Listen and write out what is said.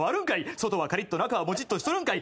外はカリッと中はモチッとしとるんかい！